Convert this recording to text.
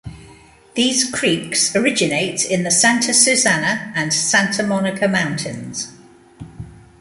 These creeks originate in the Santa Susana and Santa Monica Mountains.